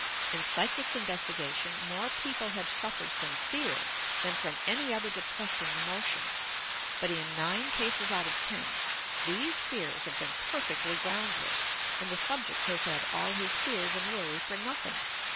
In psychic in vestigation, more people have suffered from fear than from any other depressing emotion ; but, in nine cases out of ten. these fears have been perfectly groundless, and the subject has had all his fears and worry for nothing!